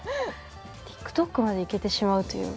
ＴｉｋＴｏｋまでいけてしまうという。